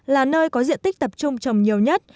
là nơi có diện tích tập trung trồng nhiều nhất